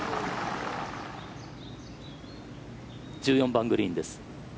１４番グリーンです。